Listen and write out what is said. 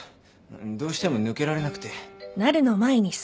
どうしても抜けられなくて。